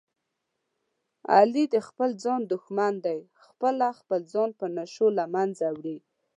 علي د خپل ځان دښمن دی، خپله خپل ځان په نشو له منځه وړي.